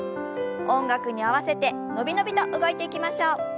音楽に合わせて伸び伸びと動いていきましょう。